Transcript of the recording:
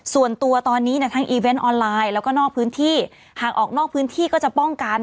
ส่วนตัวตอนนี้เนี่ยทั้งอีเวนต์ออนไลน์แล้วก็นอกพื้นที่หากออกนอกพื้นที่ก็จะป้องกัน